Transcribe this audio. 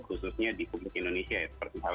khususnya di publik indonesia ya